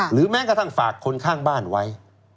แม้กระทั่งฝากคนข้างบ้านไว้